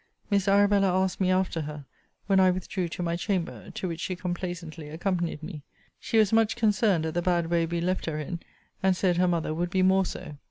Miss Arabella asked me after her, when I withdrew to my chamber; to which she complaisantly accompanied me. She was much concerned at the bad way we left her in; and said her mother would be more so.